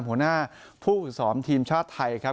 หัวหน้าผู้ฝึกสอนทีมชาติไทยครับ